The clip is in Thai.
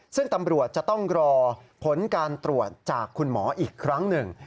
ซึ่งตำรวจจะต้องรอผลการตรวจจากคุณหมออีกครั้งหนึ่ง